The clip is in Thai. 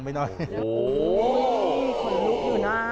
โหขนลุกอยู่นะ